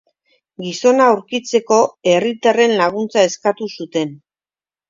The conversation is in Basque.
Gizona aurkitzeko herritarren laguntza eskatu zuten.